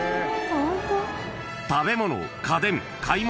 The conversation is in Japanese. ［食べ物家電買い物